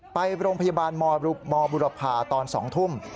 ไปโรงพยาบาลมบุรพาตอน๒ทุ่ม